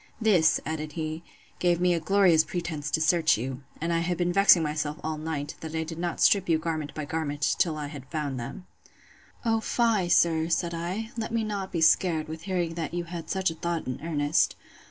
This, added he, gave me a glorious pretence to search you; and I have been vexing myself all night, that I did not strip you garment by garment, till I had found them. O fie, sir, said I; let me not be scared, with hearing that you had such a thought in earnest.